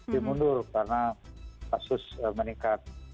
dimundur karena kasus meningkat